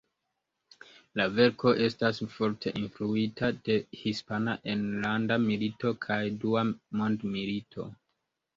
La verko estas forte influita de Hispana enlanda milito kaj Dua mondmilito.